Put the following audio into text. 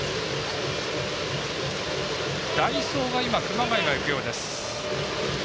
代走が熊谷がいくようです。